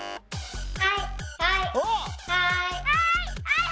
はい！